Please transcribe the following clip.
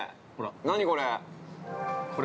何これ？